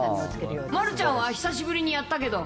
丸ちゃんは、久しぶりにやったけど。